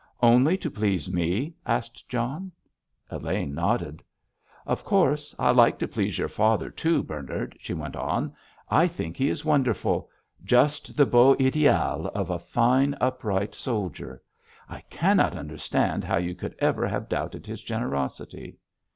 "Only to please me?" asked John. Elaine nodded. "Of course I like to please your father, too, Bernard," she went on. "I think he is wonderful; just the beau ideal of a fine, upright soldier. I cannot understand how you could ever have doubted his generosity."